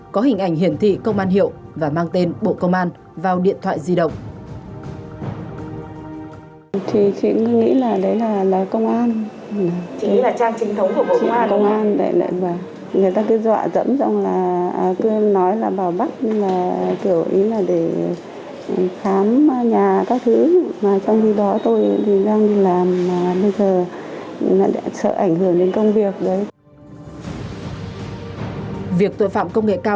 có hình ảnh hiển thị công an hiệu và mang tên bộ công an vào điện thoại di động